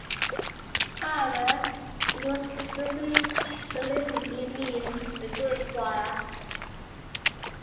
However it was exclusively released on imeem a day prior.